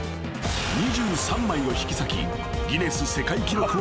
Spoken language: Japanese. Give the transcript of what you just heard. ２３枚を引き裂きギネス世界記録を達成］